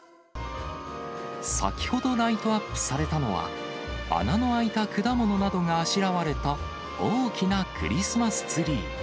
先ほどライトアップされたのは、穴の開いた果物などがあしらわれた大きなクリスマスツリー。